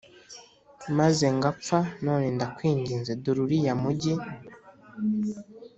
maze ngapfa none ndakwinginze dore uriya mugi